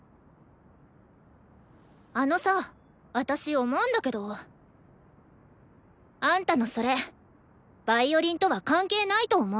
あのさ私思うんだけどあんたの父親ヴァイオリンとは関係ないと思う。